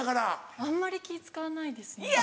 あんまり気使わないですね。